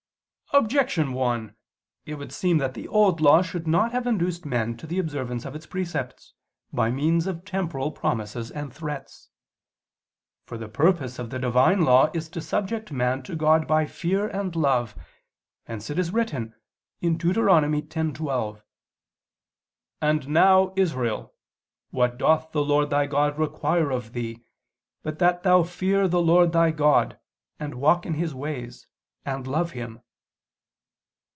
Objection 1: It would seem that the Old Law should not have induced men to the observance of its precepts, by means of temporal promises and threats. For the purpose of the Divine law is to subject man to God by fear and love: hence it is written (Deut. 10:12): "And now, Israel, what doth the Lord thy God require of thee, but that thou fear the Lord thy God, and walk in His ways, and love Him?"